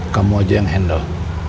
kamu aja yang handle